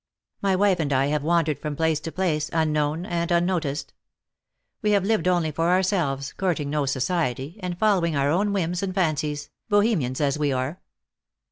My wife and I have wandered from place to place, unknown and unnoticed. We have lived only for ourselves, courting no society, and following our own whims and fancies, Bohemians as we are.